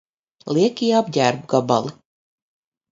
Liekie apģērba gabali